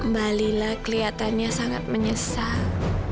balila kelihatannya sangat menyesal